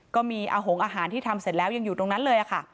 ก็มีอาหงอาหารที่ทำเสร็จแล้วยังอยู่ตรงนั้นเลยค่ะ